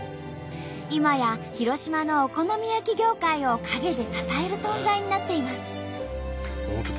今や広島のお好み焼き業界を陰で支える存在になっています。